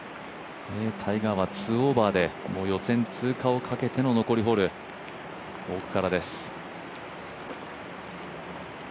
タイガーは２オーバーで予選通過をかけての残りホール、奥からです。